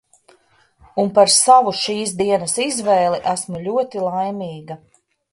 Un par savu šīs dienas izvēli esmu ļoti laimīga!